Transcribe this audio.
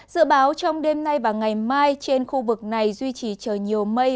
dự báo trong đêm nay và ngày mai trên khu vực này duy trì trời nhiều mây